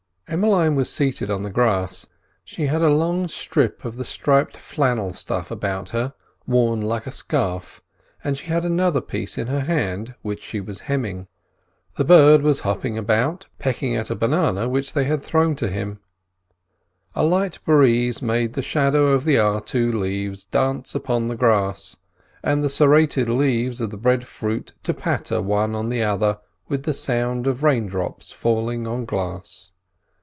Emmeline was seated on the grass; she had a long strip of the striped flannel stuff about her, worn like a scarf, and she had another piece in her hand which she was hemming. The bird was hopping about, pecking at a banana which they had thrown to him; a light breeze made the shadow of the artu leaves dance upon the grass, and the serrated leaves of the breadfruit to patter one on the other with the sound of rain drops falling upon glass.